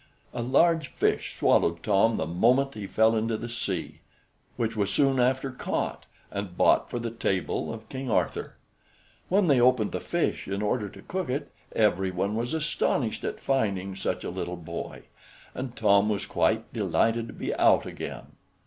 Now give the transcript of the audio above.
A large fish swallowed Tom the moment he fell into the sea, which was soon after caught, and bought for the table of King Arthur. When they opened the fish in order to cook it, everyone was astonished at finding such a little boy, and Tom was quite delighted to be out again.